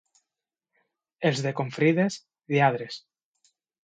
Els de Confrides, lladres.